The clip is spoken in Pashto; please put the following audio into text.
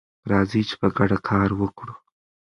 راځئ چې په ګډه کار وکړو.